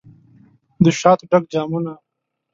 دشاتو ډک جامونه